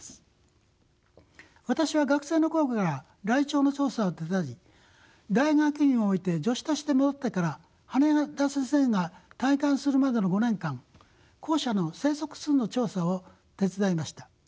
私は学生の頃からライチョウの調査を手伝い大学院を終えて助手として戻ってから羽田先生が退官するまでの５年間後者の生息数の調査を手伝いました。